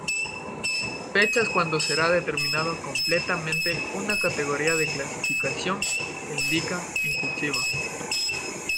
Fechas cuando será determinado completamente una categoría de clasificación se indican en cursiva.